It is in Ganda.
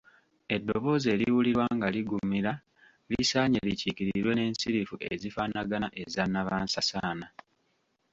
Eddoboozi eriwulirwa nga liggumira lisaanye likiikirirwe n’ensirifu ezifaanagana eza nnabansasaana.